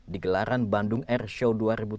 di gelaran bandung airshow dua ribu tujuh belas